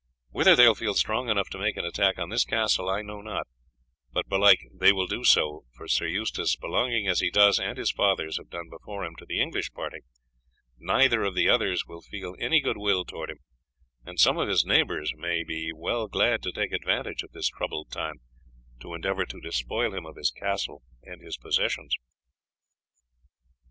Whether they will feel strong enough to make an attack on this castle I know not, but belike they will do so, for Sir Eustace, belonging as he does, and as his fathers have done before him, to the English party, neither of the others will feel any good will towards him, and some of his neighbours may well be glad to take advantage of this troubled time to endeavour to despoil him of his castle and possessions."